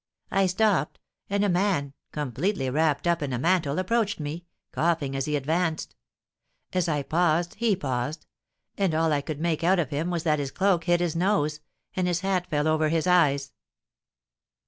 I stopped, and a man, completely wrapped up in a mantle, approached me, coughing as he advanced. As I paused, he paused; and all I could make out of him was that his cloak hid his nose, and his hat fell over his eyes."